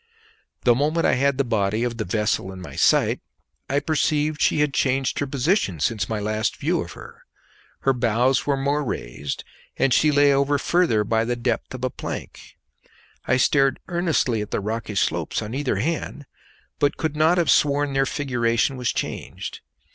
The moment I had the body of the vessel in my sight I perceived that she had changed her position since my last view of her. Her bows were more raised, and she lay over further by the depth of a plank. I stared earnestly at the rocky slopes on either hand, but could not have sworn their figuration was changed.